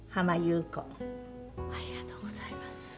ありがとうございます。